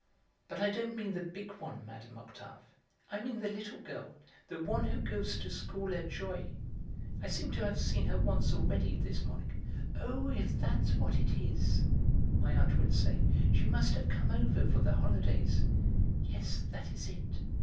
"But I don't mean the big one, Mme. Octave; I mean the little girl, he one who goes to school at Jouy. I seem to have seen her once already his morning." "Oh, if that's what it is!" my aunt would say, "she must have come over for the holidays. Yes, that is it.